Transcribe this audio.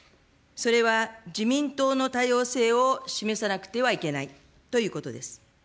それは自民党の多様性を示さなくてはいけないということです。